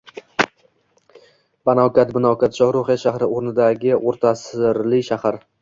Banokat, Binokat - Shaxruxiya shahri o‘rnidagi o‘rta asrli shahar.